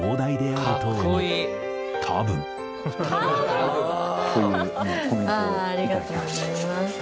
ありがとうございます。